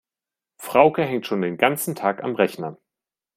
Frauke hängt schon den ganzen Tag am Rechner.